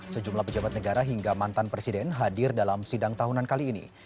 sejumlah pejabat negara hingga mantan presiden hadir dalam sidang tahunan kali ini